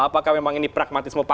apakah memang ini pragmatisme